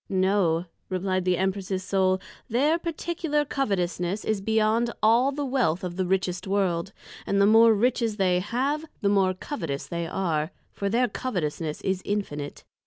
No, replied the Empress's Soul, their particular Covetousness, is beyond all the wealth of the richest World, and the more Riches they have, the more Covetous they are; for their Covetousness is Infinite.